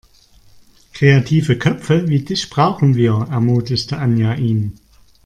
Kreative Köpfe wie dich brauchen wir, ermutigte Anja ihn.